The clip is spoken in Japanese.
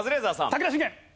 武田信玄。